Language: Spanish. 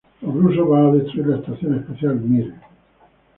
Los rusos van a destruir la estación espacial Mir.